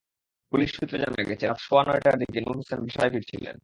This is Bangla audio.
পুলিশ সূত্রে জানা গেছে, রাত সোয়া নয়টার দিকে নুর হোসেন বাসায় ফিরছিলেন।